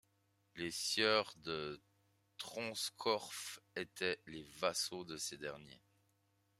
Les sieurs de Tronscorff étaient les vassaux de ces derniers.